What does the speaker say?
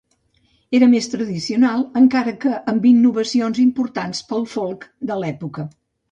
Era més tradicional, encara que amb innovacions importants pel folk de l'època.